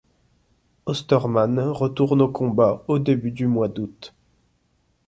Ostermann retourne au combat au début du mois d'août.